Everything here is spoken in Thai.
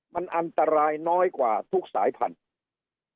มันอันตรายน้อยกว่าทุกสายพันธุ์